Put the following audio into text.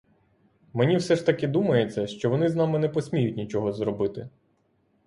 Мені все ж таки думається, що вони з нами не посміють нічого зробити.